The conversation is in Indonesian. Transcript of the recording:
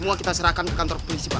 semua kita serahkan ke kantor polisi pak